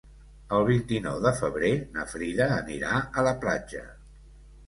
El vint-i-nou de febrer na Frida anirà a la platja.